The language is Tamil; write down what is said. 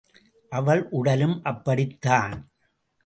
அவள் உடலும் அப்படித் தான்.